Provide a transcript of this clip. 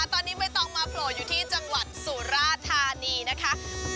ตอนนี้ไม่ต้องมาโผล่อยู่ที่จังหวัดสุราธานีนะคะ